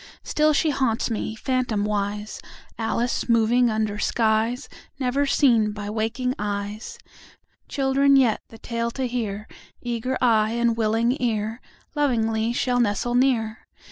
Still she haunts me, phantomwise, Alice moving under skies Never seen by waking eyes. Children yet, the tale to hear, Eager eye and willing ear, Lovingly shall nestle near.